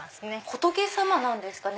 仏様なんですか？